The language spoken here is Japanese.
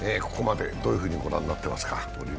ここまでどういうふうに御覧になってますか？